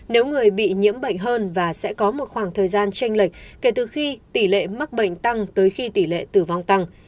nếu người bị nhiễm bệnh hơn và sẽ có một khoảng thời gian tranh lệch kể từ khi tỷ lệ mắc bệnh tăng tới khi tỷ lệ tử vong tăng